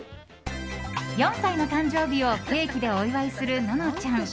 ４歳の誕生日をケーキでお祝いするののちゃん。